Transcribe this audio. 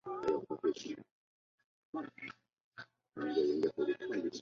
他没有公开认同或坚持任何教派或教会。